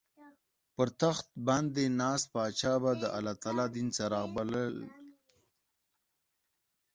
پر تخت باندې ناست پاچا به د الله دین څراغ بل کړي.